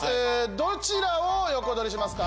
どちらを横取りしますか？